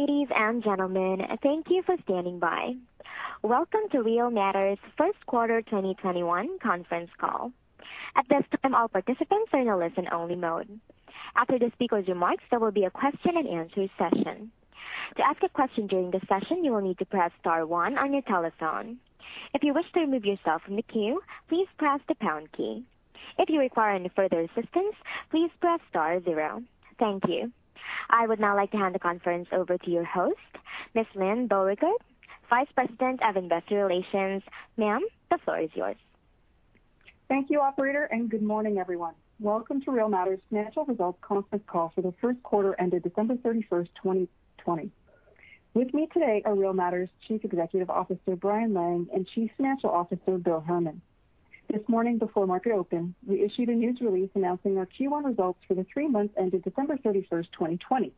Ladies and gentlemen, thank you for standing by. Welcome to Real Matters first quarter 2021 conference call. At this time, all participants are in a listen-only mode. After the speaker's remarks, there will be a question-and-answer session. To ask a question during this session, you will need to press star one on your telephone. If you wish to remove yourself from the queue, please press the pound key. If you require any further assistance, please press star zero. Thank you. I would now like to hand the conference over to your host, Ms. Lyne Beauregard, Vice President of Investor Relations. Ma'am, the floor is yours. Thank you, operator, and good morning everyone? Welcome to Real Matters Financial Results Conference Call for the first quarter ended December 31st, 2020. With me today are Real Matters Chief Executive Officer, Brian Lang, and Chief Financial Officer, Bill Herman. This morning before market open, we issued a news release announcing our Q1 results for the three months ended December 31st, 2020.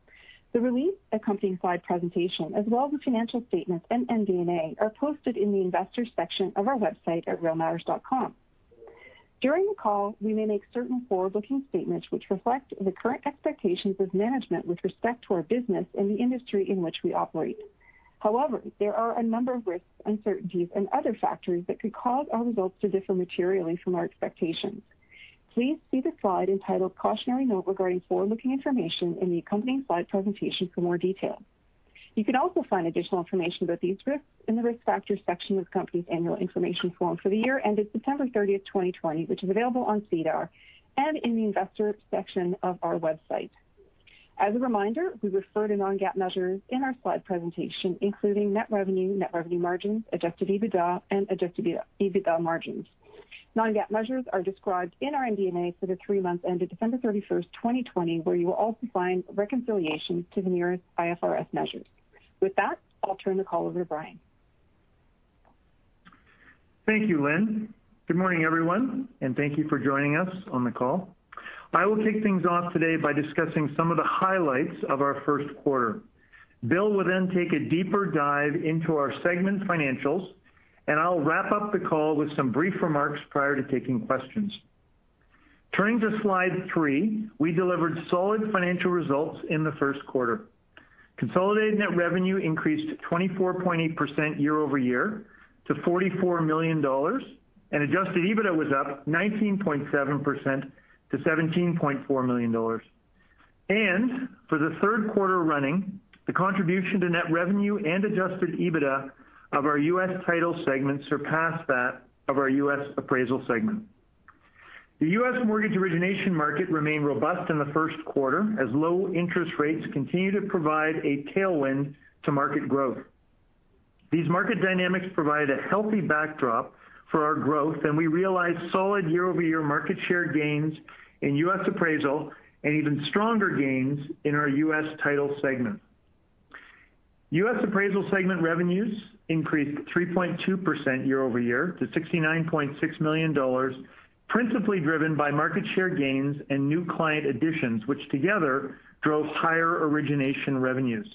The release accompanying slide presentation, as well as the financial statements and MD&A, are posted in the Investors section of our website at realmatters.com. During the call, we may make certain forward-looking statements which reflect the current expectations of management with respect to our business and the industry in which we operate. There are a number of risks, uncertainties, and other factors that could cause our results to differ materially from our expectations. Please see the slide entitled Cautionary Note regarding forward-looking information in the accompanying slide presentation for more detail. You can also find additional information about these risks in the Risk Factors section of the company's annual information form for the year ended September 30, 2020, which is available on SEDAR and in the Investor section of our website. As a reminder, we refer to non-GAAP measures in our slide presentation, including net revenue, net revenue margins, adjusted EBITDA, and adjusted EBITDA margins. Non-GAAP measures are described in our MD&A for the three months ended December 31, 2020, where you will also find reconciliation to the nearest IFRS measures. With that, I'll turn the call over to Brian. Thank you, Lyne. Good morning, everyone, and thank you for joining us on the call. I will kick things off today by discussing some of the highlights of our first quarter. Bill will then take a deeper dive into our segment financials, and I'll wrap up the call with some brief remarks prior to taking questions. Turning to slide three, we delivered solid financial results in the first quarter. Consolidated net revenue increased 24.8% year-over-year to $44 million, and Adjusted EBITDA was up 19.7% to $17.4 million. For the third quarter running, the contribution to net revenue and Adjusted EBITDA of our U.S. Title segment surpassed that of our U.S. Appraisal segment. The U.S. mortgage origination market remained robust in the first quarter as low interest rates continue to provide a tailwind to market growth. These market dynamics provide a healthy backdrop for our growth, and we realized solid year-over-year market share gains in U.S. Appraisal and even stronger gains in our U.S. Title segment. U.S. Appraisal segment revenues increased 3.2% year-over-year to $69.6 million, principally driven by market share gains and new client additions, which together drove higher origination revenues.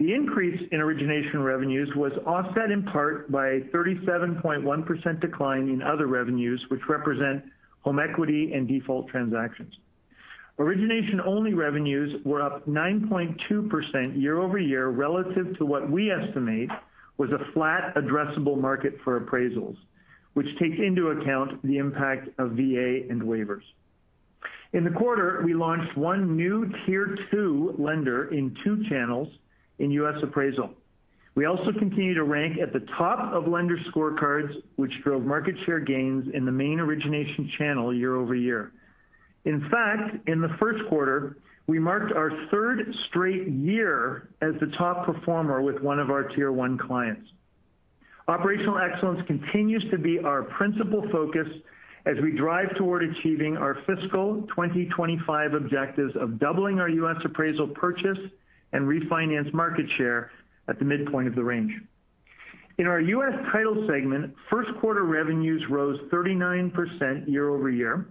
The increase in origination revenues was offset in part by a 37.1% decline in other revenues, which represent home equity and default transactions. Origination-only revenues were up 9.2% year-over-year relative to what we estimate was a flat addressable market for appraisals, which takes into account the impact of VA and waivers. In the quarter, we launched one new Tier 2 lender in two channels in U.S. Appraisal. We also continue to rank at the top of lender scorecards, which drove market share gains in the main origination channel year-over-year. In fact, in the first quarter, we marked our third straight year as the top performer with one of our Tier 1 clients. Operational excellence continues to be our principal focus as we drive toward achieving our fiscal 2025 objectives of doubling our U.S. Appraisal purchase and refinance market share at the midpoint of the range. In our U.S. Title segment, first quarter revenues rose 39% year-over-year.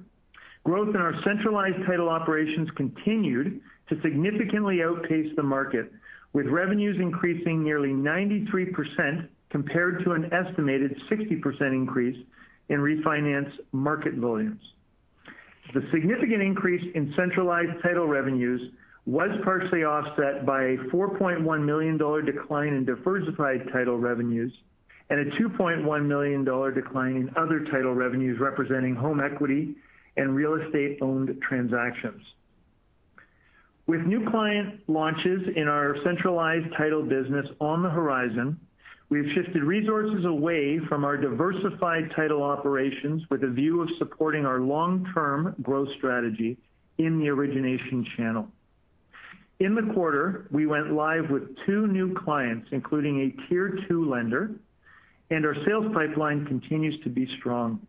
Growth in our centralized title operations continued to significantly outpace the market, with revenues increasing nearly 93% compared to an estimated 60% increase in refinance market volumes. The significant increase in centralized Title revenues was partially offset by a $4.1 million decline in diversified Title revenues and a $2.1 million decline in other Title revenues representing home equity and real estate-owned transactions. With new client launches in our centralized Title business on the horizon, we've shifted resources away from our diversified Title operations with a view of supporting our long-term growth strategy in the origination channel. In the quarter, we went live with two new clients, including a Tier 2 lender, and our sales pipeline continues to be strong.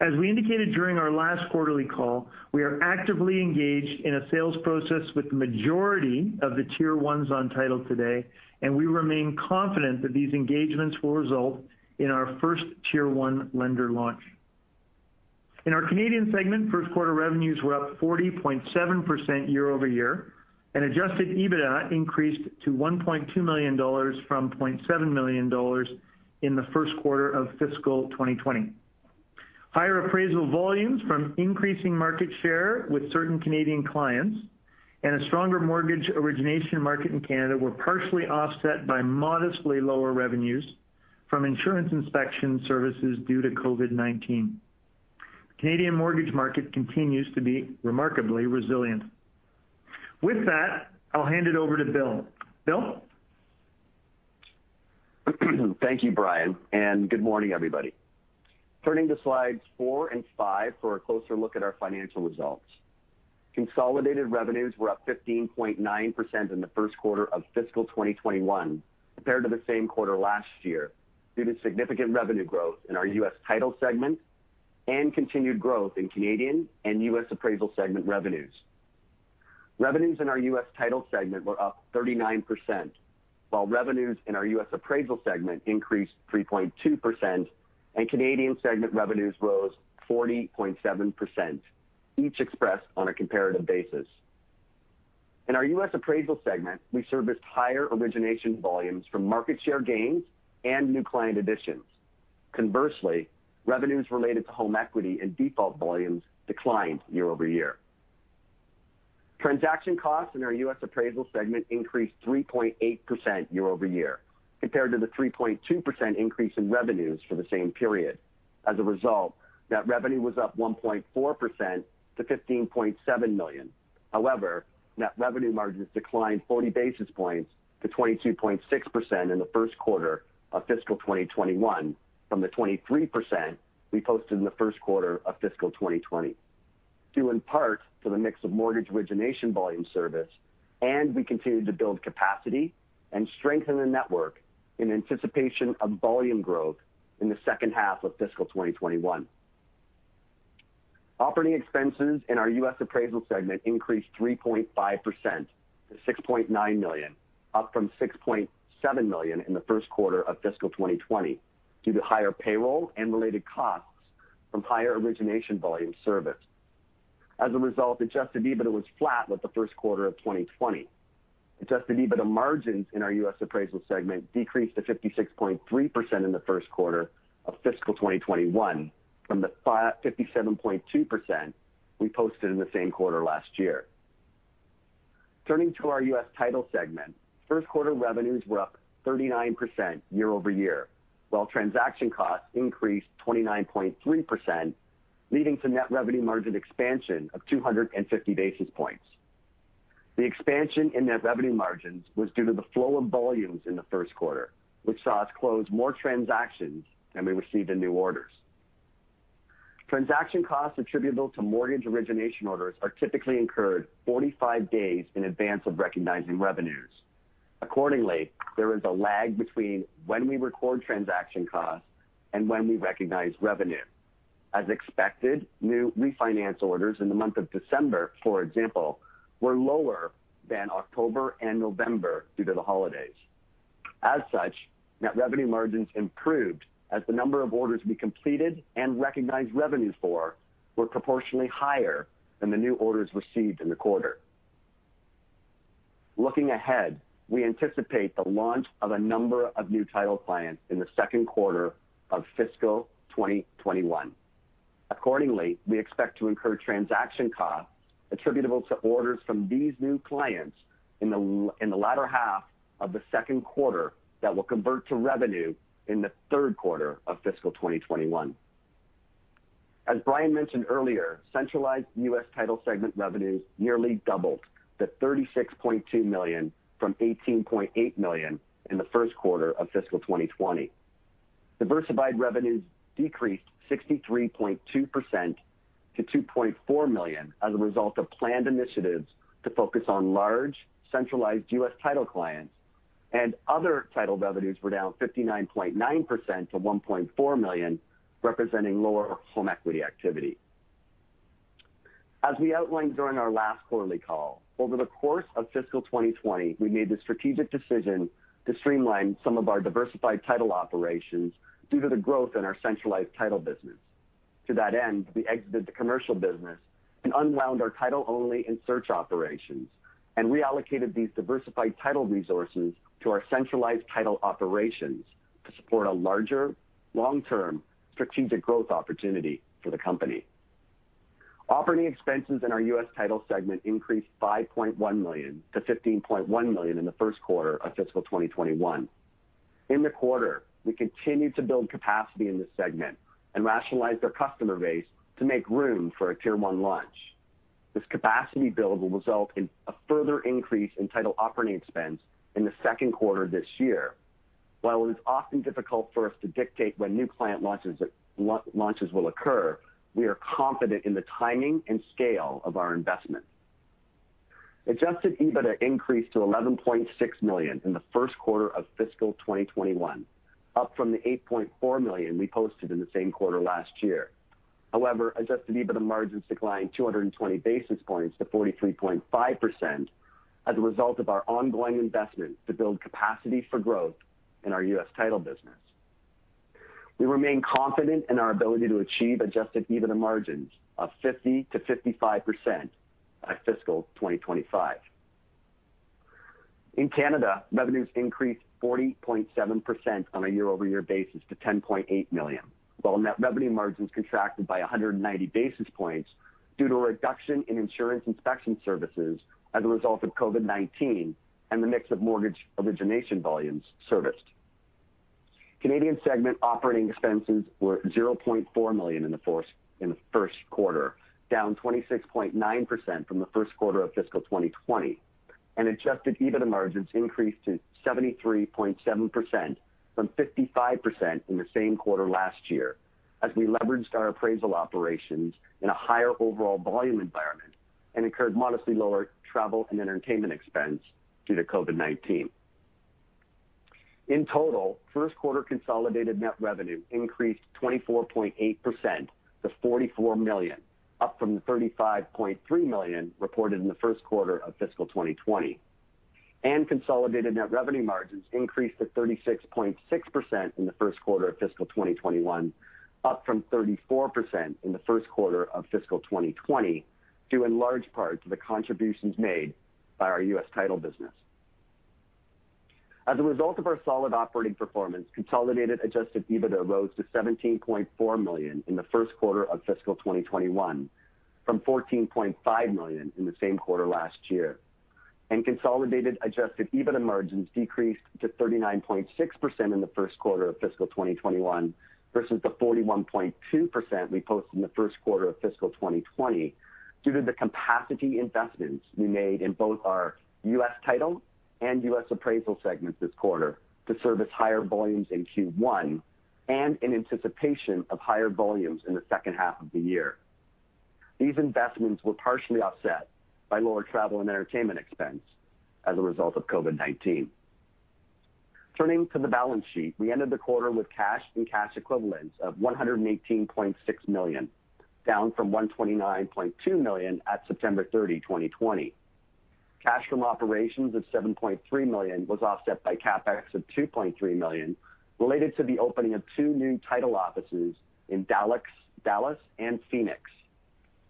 As we indicated during our last quarterly call, we are actively engaged in a sales process with the majority of the Tier 1s on Title today, and we remain confident that these engagements will result in our first Tier 1 lender launch. In our Canadian segment, first quarter revenues were up 40.7% year-over-year, and adjusted EBITDA increased to $1.2 million from $0.7 million in the first quarter of fiscal 2020. Higher appraisal volumes from increasing market share with certain Canadian clients and a stronger mortgage origination market in Canada were partially offset by modestly lower revenues from insurance inspection services due to COVID-19. Canadian mortgage market continues to be remarkably resilient. With that, I'll hand it over to Bill. Bill? Thank you, Brian. Good morning everybody? Turning to slides four and five for a closer look at our financial results. Consolidated revenues were up 15.9% in the first quarter of fiscal 2021 compared to the same quarter last year due to significant revenue growth in our U.S. Title segment and continued growth in Canadian and U.S. Appraisal segment revenues. Revenues in our U.S. Title segment were up 39%, while revenues in our U.S. Appraisal segment increased 3.2%, and Canadian segment revenues rose 40.7%, each expressed on a comparative basis. In our U.S. Appraisal segment, we serviced higher origination volumes from market share gains and new client additions. Conversely, revenues related to home equity and default volumes declined year-over-year. Transaction costs in our U.S. Appraisal segment increased 3.8% year-over-year compared to the 3.2% increase in revenues for the same period. As a result, net revenue was up 1.4% to $15.7 million. However, net revenue margins declined 40 basis points to 22.6% in the first quarter of fiscal 2021 from the 23% we posted in the first quarter of fiscal 2020, due in part to the mix of mortgage origination volume service, and we continued to build capacity and strengthen the network in anticipation of volume growth in the second half of fiscal 2021. Operating expenses in our U.S. Appraisal segment increased 3.5% to $6.9 million, up from $6.7 million in the first quarter of fiscal 2020 due to higher payroll and related costs from higher origination volume serviced. As a result, Adjusted EBITDA was flat with the first quarter of 2020. Adjusted EBITDA margins in our U.S. Appraisal segment decreased to 56.3% in the first quarter of fiscal 2021 from 57.2% we posted in the same quarter last year. Turning to our U.S. Title segment, first quarter revenues were up 39% year-over-year, while transaction costs increased 29.3%, leading to net revenue margin expansion of 250 basis points. The expansion in net revenue margins was due to the flow of volumes in the first quarter, which saw us close more transactions than we received in new orders. Transaction costs attributable to mortgage origination orders are typically incurred 45 days in advance of recognizing revenues. Accordingly, there is a lag between when we record transaction costs and when we recognize revenue. As expected, new refinance orders in the month of December, for example, were lower than October and November due to the holidays. As such, net revenue margins improved as the number of orders we completed and recognized revenues for were proportionally higher than the new orders received in the quarter. Looking ahead, we anticipate the launch of a number of new title clients in the second quarter of fiscal 2021. Accordingly, we expect to incur transaction costs attributable to orders from these new clients in the latter half of the second quarter that will convert to revenue in the third quarter of fiscal 2021. As Brian mentioned earlier, centralized U.S. Title segment revenues nearly doubled to $36.2 million from $18.8 million in the first quarter of fiscal 2020. Diversified revenues decreased 63.2% to $2.4 million as a result of planned initiatives to focus on large centralized U.S. Title clients, and other Title revenues were down 59.9% to $1.4 million, representing lower home equity activity. As we outlined during our last quarterly call, over the course of fiscal 2020, we made the strategic decision to streamline some of our diversified title operations due to the growth in our centralized title business. To that end, we exited the commercial business and unwound our title only in search operations and reallocated these diversified title resources to our centralized title operations to support a larger, long-term strategic growth opportunity for the company. Operating expenses in our U.S. Title segment increased $5.1 million to $5.1 million in the first quarter of fiscal 2021. In the quarter, we continued to build capacity in this segment and rationalize our customer base to make room for a Tier-1 launch. This capacity build will result in a further increase in Title operating expense in the second quarter this year. While it is often difficult for us to dictate when new client launches will occur, we are confident in the timing and scale of our investment. Adjusted EBITDA increased to $11.6 million in the first quarter of fiscal 2021, up from the $8.4 million we posted in the same quarter last year. However, adjusted EBITDA margins declined 220 basis points to 43.5% as a result of our ongoing investment to build capacity for growth in our U.S. Title business. We remain confident in our ability to achieve adjusted EBITDA margins of 50%-55% by fiscal 2025. In Canada, revenues increased 40.7% on a year-over-year basis to $10.8 million, while net revenue margins contracted by 190 basis points due to a reduction in insurance inspection services as a result of COVID-19 and the mix of mortgage origination volumes serviced. Canadian segment operating expenses were $0.4 million in the first quarter, down 26.9% from the first quarter of fiscal 2020. Adjusted EBITDA margins increased to 73.7% from 55% in the same quarter last year as we leveraged our appraisal operations in a higher overall volume environment and incurred modestly lower travel and entertainment expense due to COVID-19. In total, first quarter consolidated net revenue increased 24.8% to $44 million, up from the $35.3 million reported in the first quarter of fiscal 2020. Consolidated net revenue margins increased to 36.6% in the first quarter of fiscal 2021, up from 34% in the first quarter of fiscal 2020, due in large part to the contributions made by our U.S. Title business. As a result of our solid operating performance, consolidated adjusted EBITDA rose to $17.4 million in the first quarter of fiscal 2021 from $14.5 million in the same quarter last year. Consolidated adjusted EBITDA margins decreased to 39.6% in the first quarter of fiscal 2021 versus the 41.2% we posted in the first quarter of fiscal 2020 due to the capacity investments we made in both our U.S. Title and U.S. Appraisal segments this quarter to service higher volumes in Q1 and in anticipation of higher volumes in the second half of the year. These investments were partially offset by lower travel and entertainment expense as a result of COVID-19. Turning to the balance sheet, we ended the quarter with cash and cash equivalents of $118.6 million, down from $129.2 million at September 30, 2020. Cash from operations of $7.3 million was offset by CapEx of $2.3 million related to the opening of two new title offices in Dallas and Phoenix.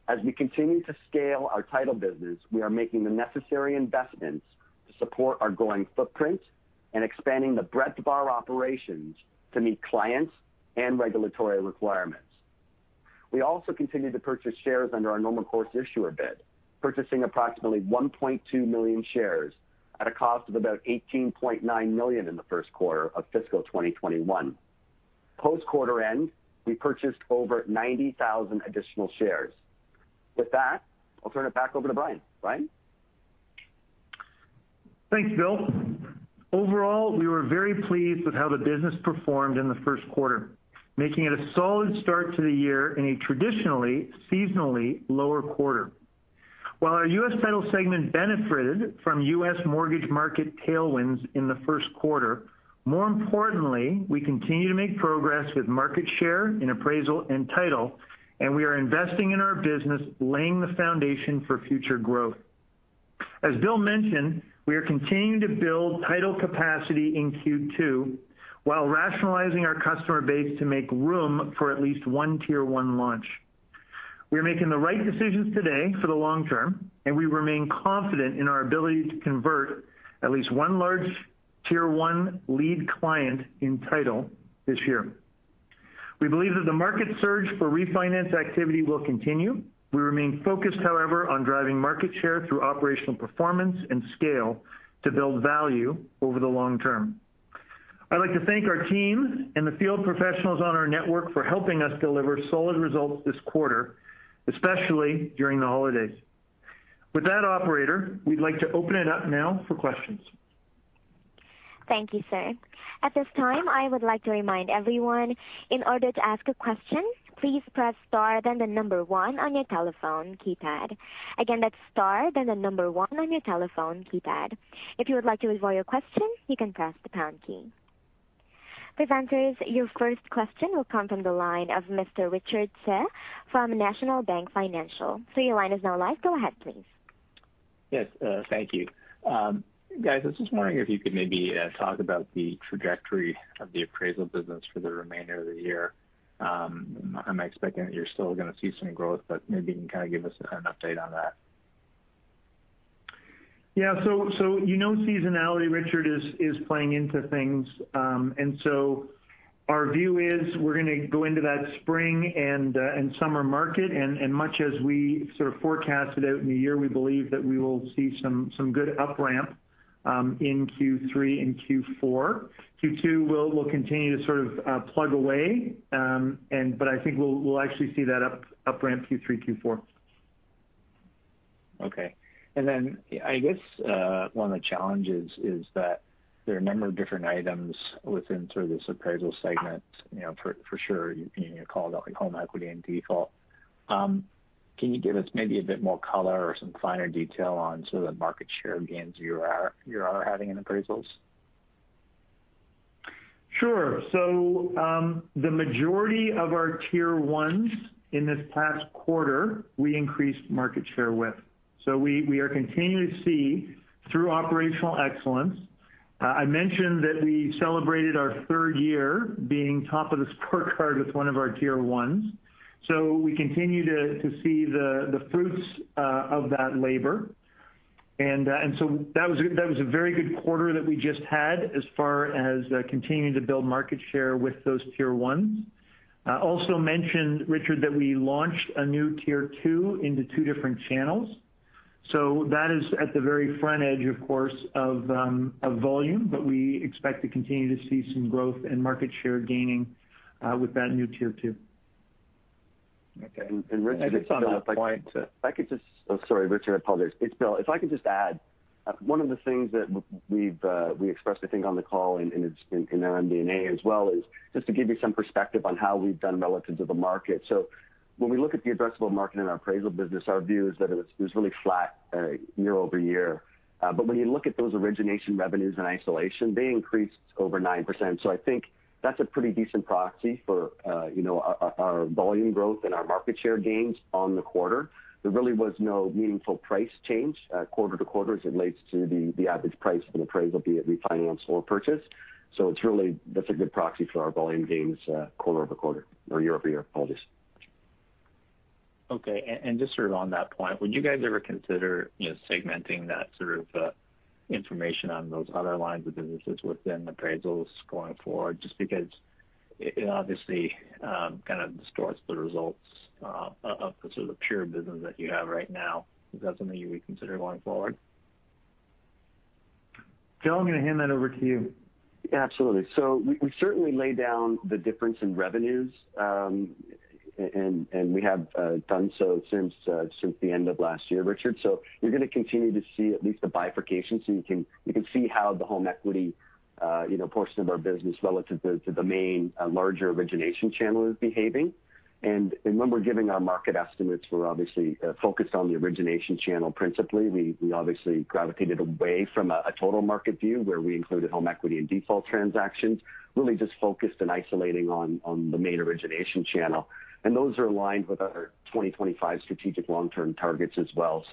As we continue to scale our title business, we are making the necessary investments to support our growing footprint and expanding the breadth of our operations to meet clients and regulatory requirements. We also continue to purchase shares under our Normal Course Issuer Bid, purchasing approximately 1.2 million shares at a cost of about $18.9 million in the first quarter of fiscal 2021. Post quarter end, we purchased over 90,000 additional shares. With that, I'll turn it back over to Brian. Brian? Thanks, Bill. Overall, we were very pleased with how the business performed in the first quarter, making it a solid start to the year in a traditionally seasonally lower quarter. While our U.S. Title segment benefited from U.S. mortgage market tailwinds in the first quarter, more importantly, we continue to make progress with market share in appraisal and title, and we are investing in our business, laying the foundation for future growth. As Bill mentioned, we are continuing to build title capacity in Q2 while rationalizing our customer base to make room for at least one Tier 1 launch. We are making the right decisions today for the long term, and we remain confident in our ability to convert at least 1 large Tier 1 lead client in title this year. We believe that the market surge for refinance activity will continue. We remain focused, however, on driving market share through operational performance and scale to build value over the long term. I'd like to thank our team and the field professionals on our network for helping us deliver solid results this quarter, especially during the holidays. With that, operator, we'd like to open it up now for questions. Thank you, sir. At this time, I would like to remind everyone in order to ask a question, please press star then the number one on your telephone keypad. Again, that's star then the number one on your telephone keypad. If you would like to withdraw your question, you can press the pound key. Presenters, your first question will come from the line of Mr. Richard Tse from National Bank Financial, your line is now live. Go ahead, please. Yes, thank you. Guys, I was just wondering if you could maybe talk about the trajectory of the appraisal business for the remainder of the year? I'm expecting that you're still gonna see some growth, but maybe you can kind of give us an update on that. Yeah. You know seasonality, Richard, is playing into things. Our view is we're gonna go into that spring and summer market, and much as we sort of forecasted out in the year, we believe that we will see some good up-ramp in Q3 and Q4. Q2 will continue to sort of plug away. I think we'll actually see that up-ramp Q3, Q4. Okay. I guess one of the challenges is that there are a number of different items within sort of this appraisal segment, you know, for sure, you know, called out like home equity and default. Can you give us maybe a bit more color or some finer detail on some of the market share gains you are having in appraisals? Sure. The majority of our Tier 1s in this past quarter, we increased market share with. We are continuing to see through operational excellence. I mentioned that we celebrated our third year being top of the scorecard with one of our Tier 1s. We continue to see the fruits of that labor. That was a very good quarter that we just had as far as continuing to build market share with those Tier 1s. I also mentioned, Richard, that we launched a new Tier 2 into two different channels. That is at the very front edge, of course, of volume, but we expect to continue to see some growth and market share gaining with that new Tier 2. Okay. Richard. Just on that point. If I could just Oh, sorry, Richard Tse, I apologize. It's Bill. If I could just add, one of the things that we've expressed, I think, on the call and it's in our MD&A as well, is just to give you some perspective on how we've done relative to the market. When we look at the addressable market in our appraisal business, our view is that it's really flat year-over-year. When you look at those origination revenues in isolation, they increased over 9%. I think that's a pretty decent proxy for, you know, our volume growth and our market share gains on the quarter. There really was no meaningful price change, quarter-to-quarter as it relates to the average price of an appraisal, be it refinance or purchase.It's really, that's a good proxy for our volume gains, quarter-over-quarter or year-over-year. Apologies. Okay. Just sort of on that point, would you guys ever consider, you know, segmenting that sort of information on those other lines of businesses within appraisals going forward, just because it obviously kind of distorts the results of the sort of pure business that you have right now. Is that something you would consider going forward? Bill, I'm gonna hand that over to you. Yeah, absolutely. We certainly lay down the difference in revenues. And we have done so since the end of last year, Richard. You're gonna continue to see at least the bifurcation so you can see how the home equity, you know, portion of our business relative to the main larger origination channel is behaving. And when we're giving our market estimates, we're obviously focused on the origination channel principally. We obviously gravitated away from a total market view where we included home equity and default transactions, really just focused and isolating on the main origination channel. Those are aligned with our 2025 strategic long-term targets as well.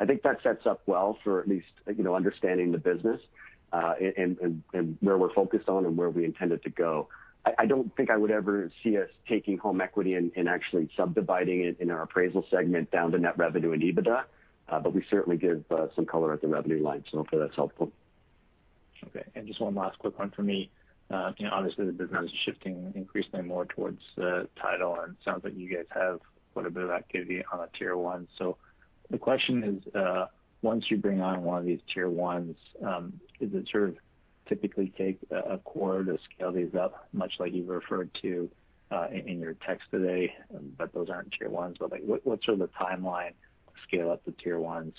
I think that sets up well for at least, you know, understanding the business and where we're focused on and where we intended to go. I don't think I would ever see us taking home equity and actually subdividing it in our U.S. Appraisal segment down to net revenue and EBITDA, but we certainly give some color at the revenue line. Hopefully that's helpful. Okay. Just one last quick one from me. You know, obviously the business is shifting increasingly more towards U.S. Title, and it sounds like you guys have quite a bit of activity on a Tier 1. The question is, once you bring on one of these Tier 1s, does it sort of typically take a quarter to scale these up, much like you referred to in your text today. Those aren't Tier 1s? Like, what's sort of the timeline to scale up the Tier 1s?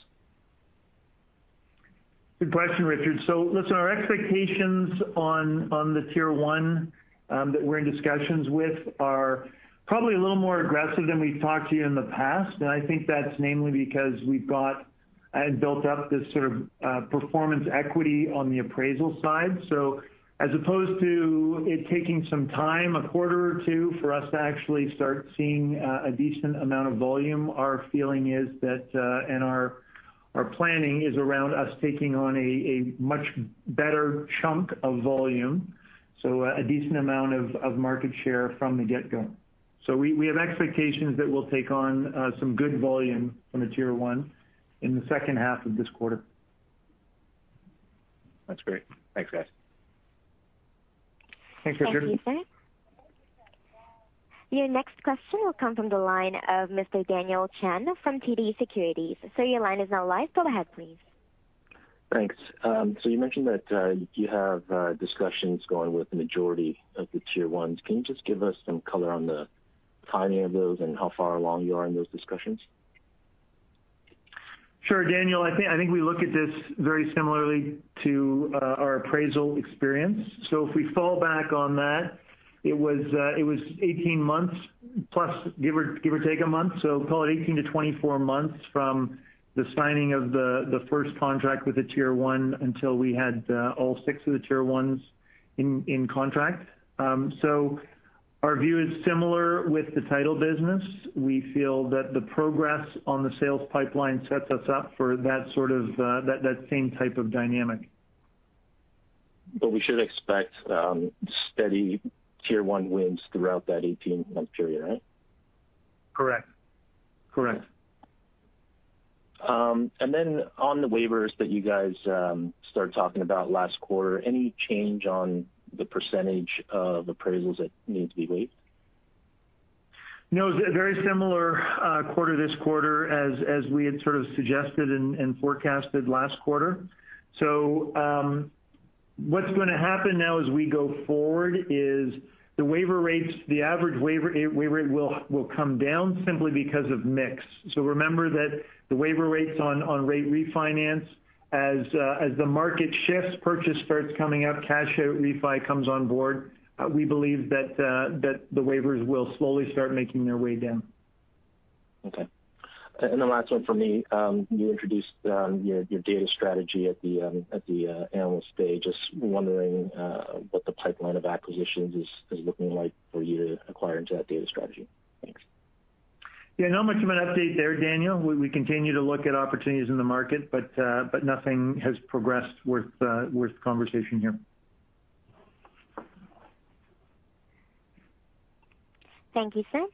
Good question, Richard. Listen, our expectations on the Tier 1 that we're in discussions with are probably a little more aggressive than we've talked to you in the past. I think that's mainly because we've got and built up this sort of performance equity on the appraisal side. As opposed to it taking some time, a quarter or two, for us to actually start seeing a decent amount of volume, our feeling is that and our planning is around us taking on a much better chunk of volume, so a decent amount of market share from the get-go. We have expectations that we'll take on some good volume from the Tier 1 in the second half of this quarter. That's great. Thanks, guys. Thanks, Richard. Thank you, sir. Your next question will come from the line of Mr. Daniel Chen from TD Securities. Sir, your line is now live, go ahead, please. Thanks. You mentioned that you have discussions going with the majority of the Tier 1s. Can you just give us some color on the timing of those and how far along you are in those discussions? Sure, Daniel. I think we look at this very similarly to our appraisal experience. If we fall back on that, it was 18 months plus, give or take a month. Call it 18-24 months from the signing of the first contract with the Tier 1 until we had all six of the Tier 1s in contract. Our view is similar with the title business. We feel that the progress on the sales pipeline sets us up for that sort of that same type of dynamic. We should expect steady Tier 1 wins throughout that 18-month period, right? Correct. Correct. On the waivers that you guys started talking about last quarter, any change on the percentage of appraisals that need to be waived? It was a very similar quarter this quarter as we had sort of suggested and forecasted last quarter. What's gonna happen now as we go forward is the waiver rates, the average waiver rate will come down simply because of mix. Remember that the waiver rates on rate refinance as the market shifts, purchase starts coming up, cash out refi comes on board, we believe that the waivers will slowly start making their way down. Okay. The last one from me. You introduced your data strategy at the Analyst Day. Just wondering what the pipeline of acquisitions is looking like for you to acquire into that data strategy. Thanks. Yeah, not much of an update there, Daniel. We continue to look at opportunities in the market, but nothing has progressed worth conversation here. Thank you, sir.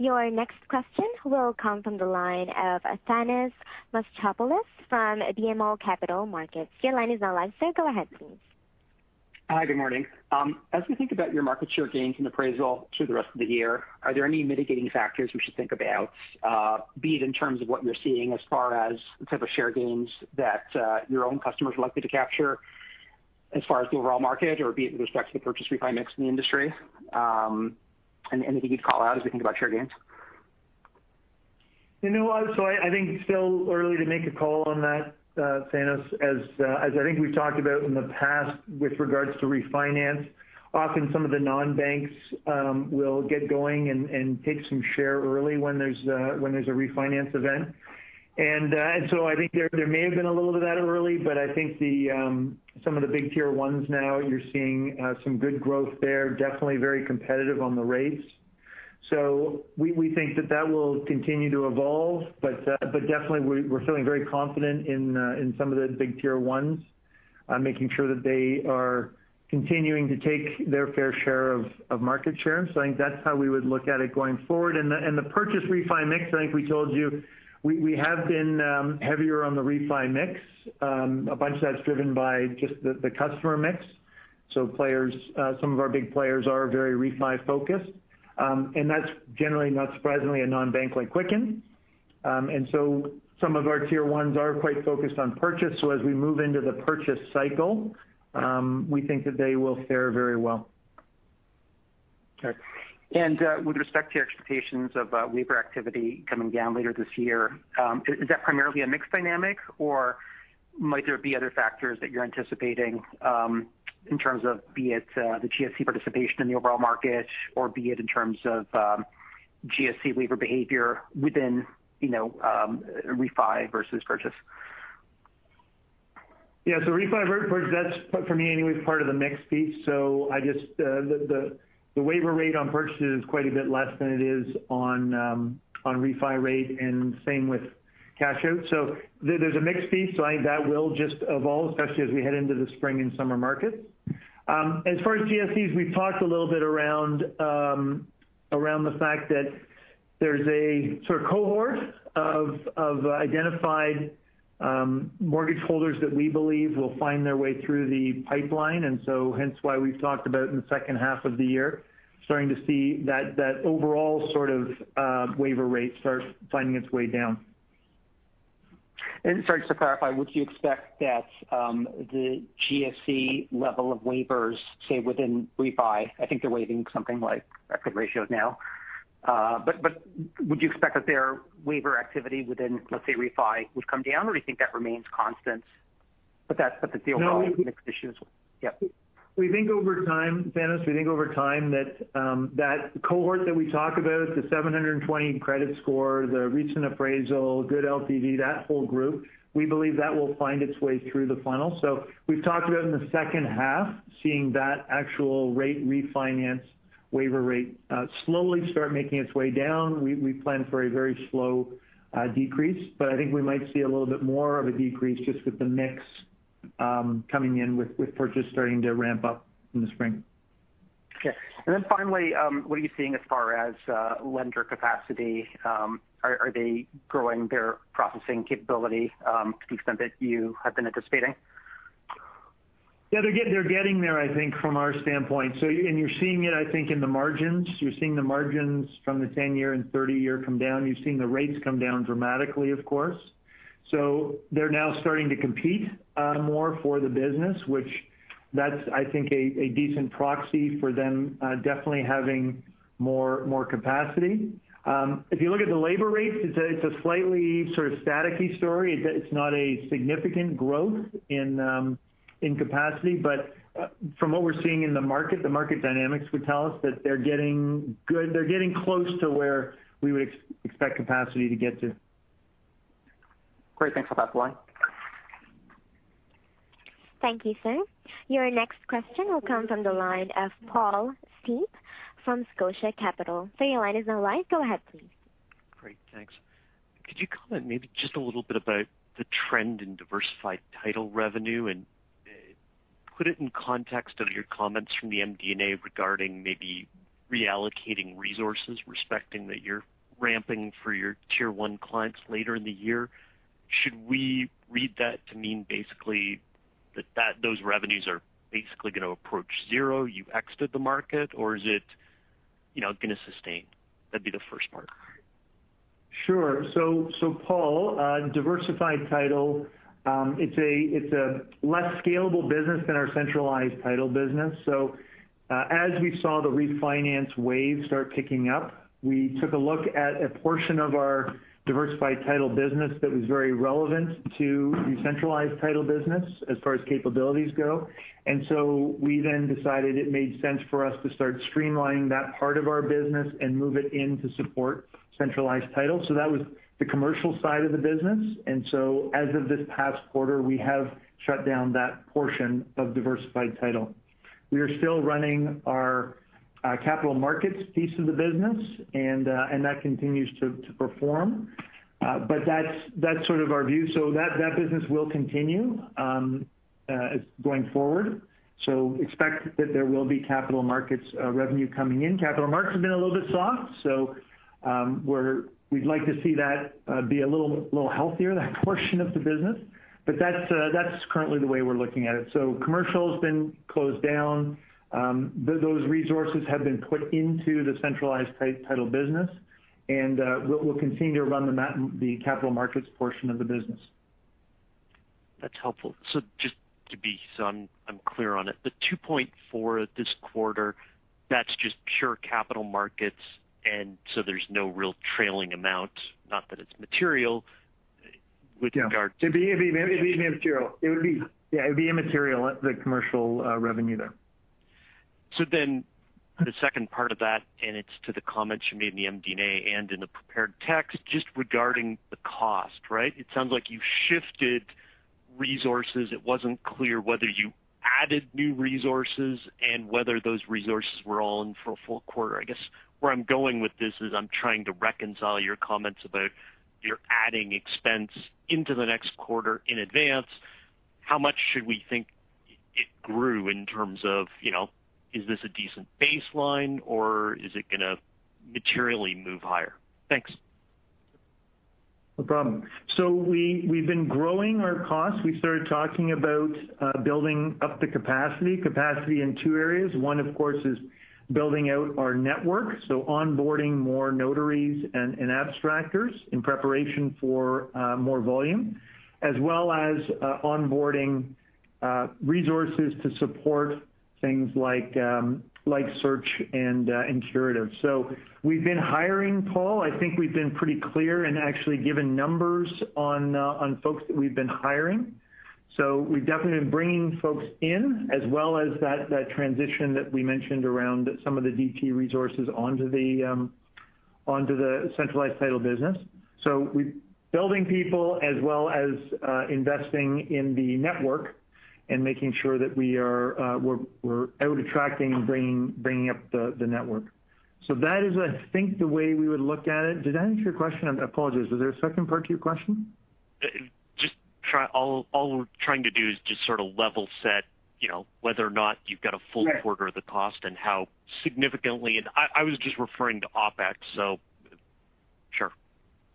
Your next question will come from the line of Thanos Moschopoulos from BMO Capital Markets, your line is now live, sir. Go ahead, please. Hi. Good morning? As we think about your market share gains in appraisal through the rest of the year, are there any mitigating factors we should think about, be it in terms of what you're seeing as far as the type of share gains that your own customers are likely to capture as far as the overall market or be it with respect to the purchase refi mix in the industry? Anything you'd call out as we think about share gains? You know what, I think it's still early to make a call on that, Thanos. As I think we've talked about in the past with regards to refinance, often some of the non-banks will get going and take some share early when there's a refinance event. I think there may have been a little of that early, but I think the some of the big Tier 1s now, you're seeing some good growth there. Definitely very competitive on the rates. We think that that will continue to evolve, but definitely we're feeling very confident in some of the big Tier 1s making sure that they are continuing to take their fair share of market share. I think that's how we would look at it going forward. The purchase refi mix, I think we told you, we have been heavier on the refi mix. A bunch of that's driven by just the customer mix. Players some of our big players are very refi-focused. That's generally, not surprisingly, a non-bank like Quicken. Some of our Tier 1s are quite focused on purchase, so as we move into the purchase cycle, we think that they will fare very well. Okay. With respect to your expectations of waiver activity coming down later this year, is that primarily a mix dynamic or might there be other factors that you're anticipating, in terms of be it, the GSE participation in the overall market or be it in terms of GSE waiver behavior within, you know, refi versus purchase? Yeah. refi versus purchase, but for me anyway, is part of the mix piece. I just, the waiver rate on purchase is quite a bit less than it is on refi rate and same with cash out. There's a mix piece, I think that will just evolve, especially as we head into the spring and summer markets. As far as GSEs, we've talked a little bit around the fact that there's a sort of cohort of identified mortgage holders that we believe will find their way through the pipeline. Hence why we've talked about in the second half of the year starting to see that overall sort of waiver rate start finding its way down. Sorry, just to clarify, would you expect that the GSE level of waivers, say within refi, I think they're waiving something like credit ratios now. Would you expect that their waiver activity within, let's say, refi would come down or do you think that remains constant? No- With the mix issues? Yeah. We think over time, Thanos, we think over time that cohort that we talk about, the 720 credit score, the recent appraisal, good LTV, that whole group, we believe that will find its way through the funnel. We've talked about in the second half seeing that actual rate refinance waiver rate, slowly start making its way down. We plan for a very slow decrease. I think we might see a little bit more of a decrease just with the mix, coming in with purchase starting to ramp up in the spring. Okay. Finally, what are you seeing as far as lender capacity? Are they growing their processing capability to the extent that you have been anticipating? They're getting there, I think, from our standpoint. You're seeing it, I think, in the margins. You're seeing the margins from the 10-year and 30-year come down. You're seeing the rates come down dramatically, of course. They're now starting to compete more for the business, which that's, I think, a decent proxy for them, definitely having more capacity. If you look at the labor rates, it's a slightly sort of staticky story. It's not a significant growth in capacity. From what we're seeing in the market, the market dynamics would tell us that they're getting good. They're getting close to where we would expect capacity to get to. Great. Thanks. I'll pass the line. Thank you, Sir. Your next question will come from the line of Paul Steep from Scotia Capital. Sir, your line is now live. Go ahead, please. Great. Thanks. Could you comment maybe just a little bit about the trend in diversified title revenue and put it in context of your comments from the MD&A regarding maybe reallocating resources, respecting that you're ramping for your Tier 1 clients later in the year? Should we read that to mean basically that those revenues are basically gonna approach zero, you've exited the market, or is it, you know, gonna sustain? That'd be the first part. Sure. Paul, it's a less scalable business than our centralized title business. As we saw the refinance wave start picking up, we took a look at a portion of our diversified title business that was very relevant to the centralized title business as far as capabilities go. We then decided it made sense for us to start streamlining that part of our business and move it in to support centralized title. That was the commercial side of the business. As of this past quarter, we have shut down that portion of diversified title. We are still running our capital markets piece of the business, and that continues to perform. That's sort of our view. That business will continue going forward. Expect that there will be capital markets revenue coming in. Capital markets have been a little bit soft, we'd like to see that be a little healthier, that portion of the business. That's currently the way we're looking at it. Commercial has been closed down. Those resources have been put into the centralized title business, and we'll continue to run the capital markets portion of the business. That's helpful. Just to be so I'm clear on it, the $2.4 million this quarter, that's just pure capital markets, there's no real trailing amount, not that it's material. Yeah with regard to. It'd be immaterial. It would be. Yeah, it'd be immaterial, the commercial revenue there. The second part of that, and it's to the comments you made in the MD&A and in the prepared text just regarding the cost, right? It sounds like you've shifted resources. It wasn't clear whether you added new resources and whether those resources were on for a full quarter. I guess where I'm going with this is I'm trying to reconcile your comments about you're adding expense into the next quarter in advance. How much should we think it grew in terms of, you know, is this a decent baseline, or is it going to materially move higher? Thanks. No problem. We've been growing our costs. We started talking about building up the capacity in two areas. One, of course, is building out our network, onboarding more notaries and abstractors in preparation for more volume, as well as onboarding resources to support things like search and curative. We've been hiring, Paul. I think we've been pretty clear and actually given numbers on folks that we've been hiring. We've definitely been bringing folks in, as well as that transition that we mentioned around some of the DT resources onto the centralized title business. We're building people as well as investing in the network and making sure that we are out attracting and bringing up the network. That is, I think, the way we would look at it. Did that answer your question? I apologize. Was there a second part to your question? All we're trying to do is just sort of level set, you know, whether or not you've got a full-. Right quarter of the cost and how significantly. I was just referring to OpEx, sure.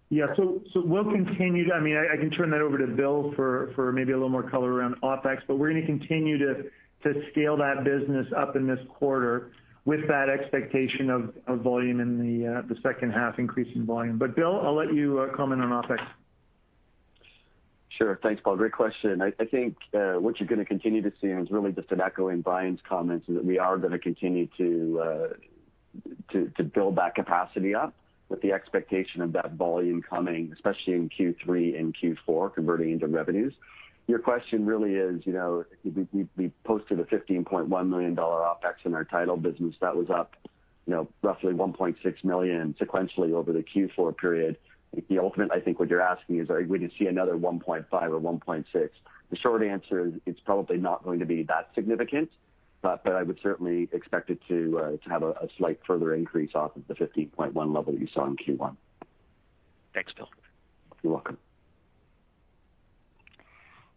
Yeah. We'll continue. I mean, I can turn that over to Bill for maybe a little more color around OpEx. We're gonna continue to scale that business up in this quarter with that expectation of volume in the second half increase in volume. Bill, I'll let you comment on OpEx. Sure. Thanks, Paul. Great question. I think what you're gonna continue to see, and it's really just an echo in Brian's comments, is that we are gonna continue to build that capacity up with the expectation of that volume coming, especially in Q3 and Q4, converting into revenues. Your question really is, we posted a $15.1 million OpEx in our U.S. Title business. That was up roughly $1.6 million sequentially over the Q4 period. The ultimate, I think what you're asking is, are we to see another $1.5 million or $1.6 million? The short answer is it's probably not going to be that significant, but I would certainly expect it to have a slight further increase off of the $15.1 level you saw in Q1. Thanks, Bill. You're welcome.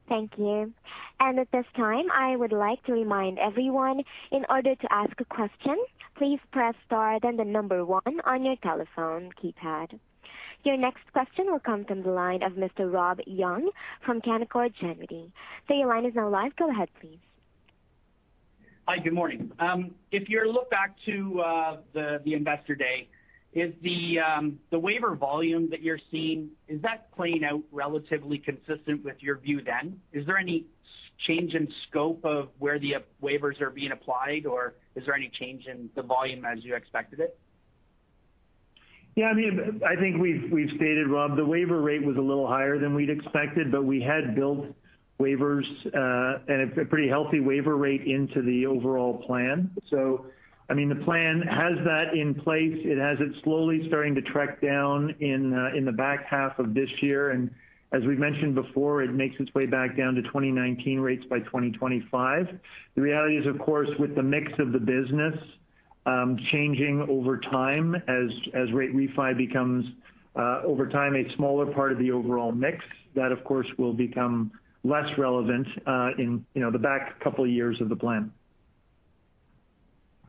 Thank you. At this time, I would like to remind everyone, in order to ask a question, please press star then 1 on your telephone keypad. Your next question will come from the line of Mr. Robert Young from Canaccord Genuity, your line is now live. Go ahead, please. Hi. Good morning? If you look back to the Investor Day, is the waiver volume that you're seeing, is that playing out relatively consistent with your view then? Is there any change in scope of where the waivers are being applied, or is there any change in the volume as you expected it? Yeah, I mean, I think we've stated, Rob, the waiver rate was a little higher than we'd expected, but we had built waivers and a pretty healthy waiver rate into the overall plan. I mean, the plan has that in place. It has it slowly starting to track down in the back half of this year. As we've mentioned before, it makes its way back down to 2019 rates by 2025. The reality is, of course, with the mix of the business changing over time as rate refi becomes over time a smaller part of the overall mix, that of course will become less relevant in, you know, the back couple of years of the plan.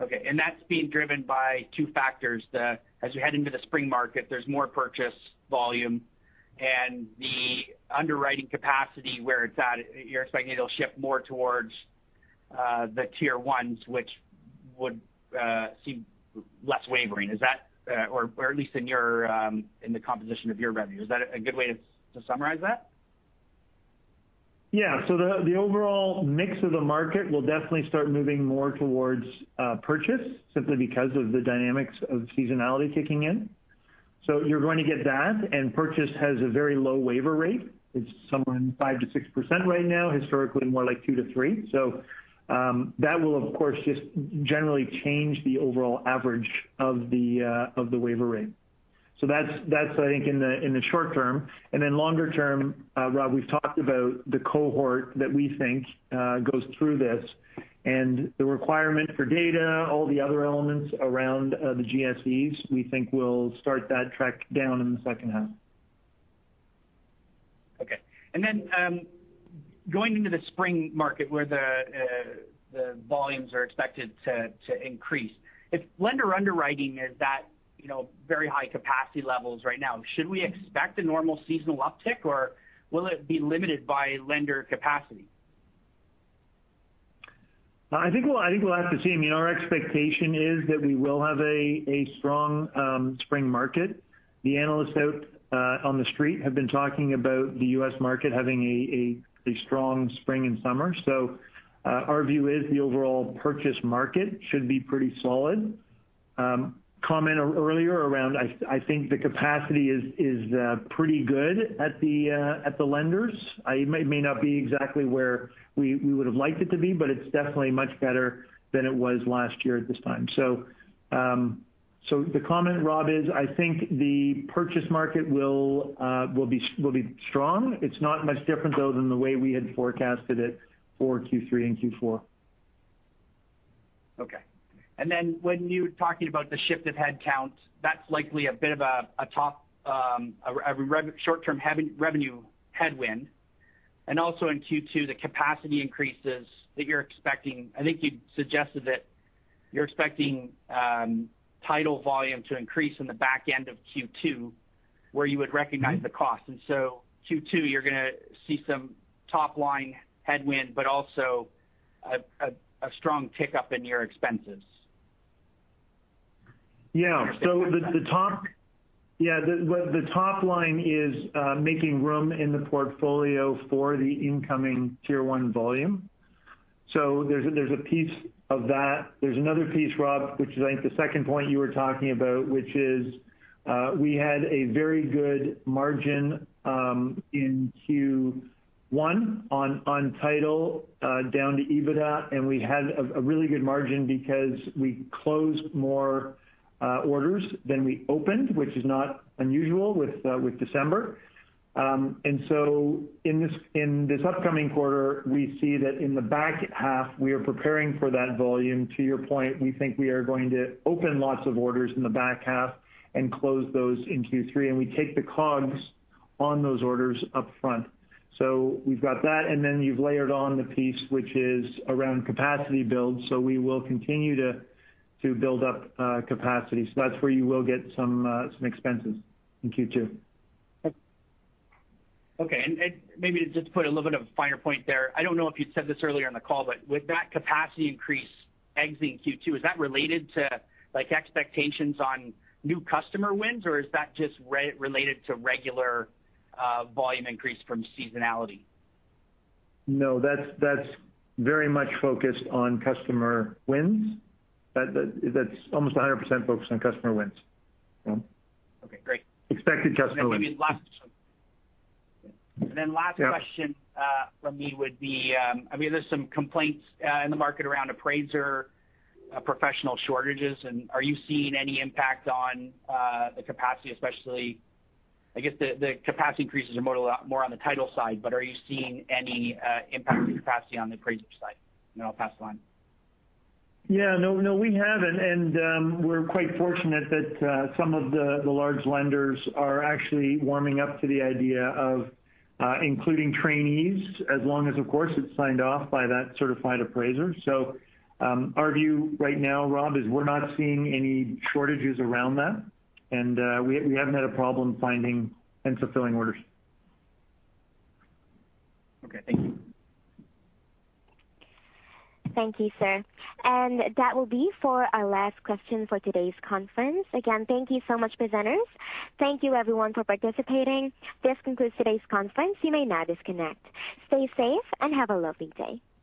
Okay. That's being driven by two factors. As you head into the spring market, there's more purchase volume, and the underwriting capacity, where it's at, you're expecting it'll shift more towards the Tier 1s, which would seem less wavering. Is that, or at least in your in the composition of your revenue, is that a good way to summarize that? The overall mix of the market will definitely start moving more towards purchase simply because of the dynamics of seasonality kicking in. You're going to get that, and purchase has a very low waiver rate. It's somewhere in 5%-6% right now, historically more like 2%-3%. That will, of course, just generally change the overall average of the waiver rate. That's I think in the short term. Then longer term, Robert, we've talked about the cohort that we think goes through this and the requirement for data, all the other elements around the GSEs, we think we'll start that trek down in the second half. Okay. Going into the spring market where the volumes are expected to increase, if lender underwriting is that, you know, very high capacity levels right now, should we expect a normal seasonal uptick, or will it be limited by lender capacity? I think we'll have to see. I mean, our expectation is that we will have a strong spring market. The analysts out on the street have been talking about the U.S. market having a strong spring and summer. Our view is the overall purchase market should be pretty solid. Comment earlier around I think the capacity is pretty good at the lenders. It may not be exactly where we would've liked it to be, but it's definitely much better than it was last year at this time. The comment, Robert, is I think the purchase market will be strong. It's not much different though than the way we had forecasted it for Q3 and Q4. Okay. When you're talking about the shift of headcounts, that's likely a bit of a short-term revenue headwind. In Q2, the capacity increases that you're expecting, I think you suggested that you're expecting title volume to increase in the back end of Q2. Where you will recognize the cost. The cost. Q2, you're going to see some top line headwind but also a strong tick up in your expenses? The top line is making room in the portfolio for the incoming Tier 1 volume. There's a piece of that. There's another piece, Rob, which is I think the second point you were talking about, which is we had a very good margin in Q1 on title down to EBITDA, and we had a really good margin because we closed more orders than we opened, which is not unusual with December. In this upcoming quarter, we see that in the back half we are preparing for that volume. To your point, we think we are going to open lots of orders in the back half and close those in Q3, and we take the COGS on those orders upfront. We've got that, and then you've layered on the piece which is around capacity build. We will continue to build up capacity. That's where you will get some expenses in Q2. Okay. Maybe to just put a little bit of a finer point there, I don't know if you'd said this earlier in the call, but with that capacity increase exiting Q2, is that related to like expectations on new customer wins? Is that just related to regular volume increase from seasonality? No, that's very much focused on customer wins. That's almost 100% focused on customer wins. Yeah. Okay, great. Expected customer wins. Last question? Yeah from me would be, I mean, there's some complaints, in the market around appraiser, professional shortages, are you seeing any impact on, the capacity especially, I guess the capacity increases are more, lot more on the title side, but are you seeing any, impact to capacity on the appraiser side? Then I'll pass the line. Yeah. No, no, we haven't, and we're quite fortunate that some of the large lenders are actually warming up to the idea of including trainees as long as, of course, it's signed off by that certified appraiser. Our view right now, Rob, is we're not seeing any shortages around that, and we haven't had a problem finding and fulfilling orders. Okay. Thank you. Thank you, sir. That will be for our last question for today's conference. Again, thank you so much, presenters. Thank you everyone for participating. This concludes today's conference, you may now disconnect. Stay safe, and have a lovely day.